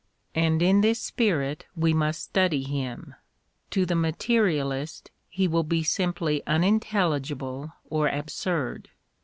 And in this spirit we must study him : to the materialist he will be simply unintelligible or absurd.